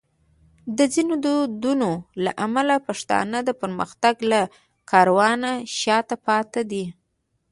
د ځینو دودونو له امله پښتانه د پرمختګ له کاروانه شاته پاتې دي.